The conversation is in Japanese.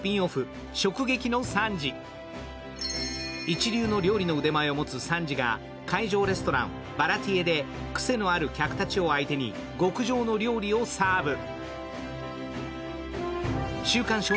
一流の料理の腕前を持つサンジが海上レストラン・バラティエで癖のある客たちを相手に極上の料理をサーブ。